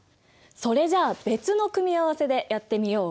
それじゃあ別の組み合わせでやってみよう。